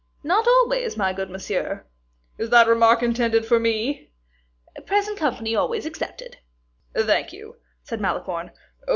"Not always, my good monsieur." "Is that remark intended for me?" "Present company always excepted." "Thank you," said Malicorne.